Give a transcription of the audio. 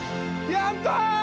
やったー！